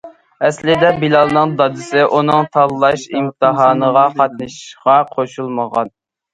ئەسلىدە، بىلالنىڭ دادىسى ئۇنىڭ تاللاش ئىمتىھانىغا قاتنىشىشىغا قوشۇلمىغانىدى.